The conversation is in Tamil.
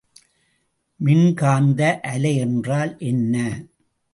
மின்காந்த அலை என்றால் என்ன?